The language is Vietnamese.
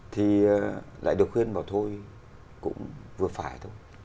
thì lại được khuyên vào thôi cũng vừa phải thôi